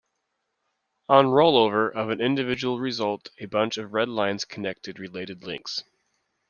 On rollover of an individual result a bunch of red lines connected related links.